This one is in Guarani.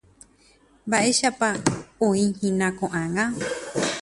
Mba'éichapa oĩhína ko'ág̃a.